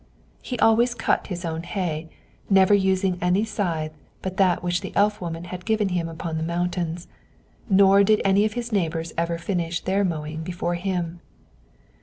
He always cut his own hay, never using any scythe but that which the elf woman had given him upon the mountains; nor did any of his neighbors ever finish their mowing before him.